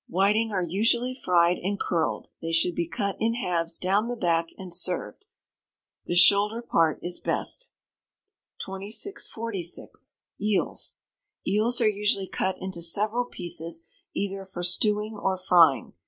Whiting are usually fried and curled; they should be cut in halves down the back, and served. The shoulder part is best. 2646. Eels. Eels are usually cut into several pieces, either for stewing or frying.